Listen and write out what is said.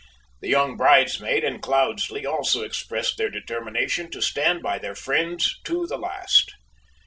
The young bridesmaid and Cloudesley also expressed their determination to stand by their friends to the last.